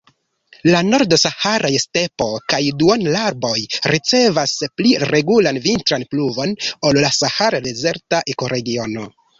La nord-saharaj stepo kaj duonarbaroj ricevas pli regulan vintran pluvon ol la sahar-dezerta ekoregiono.